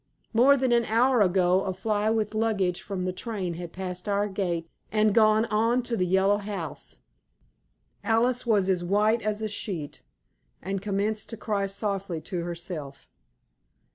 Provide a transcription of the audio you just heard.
More than an hour ago a fly with luggage from the train had passed our gate and gone on to the Yellow House. Alice was as white as a sheet, and commenced to cry softly to herself.